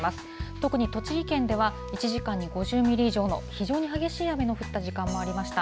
特に栃木県では、１時間に５０ミリ以上の非常に激しい雨の降った時間帯もありました。